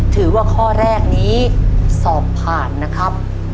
ถือว่าข้อแรกนี้สอบผ่านนะครับ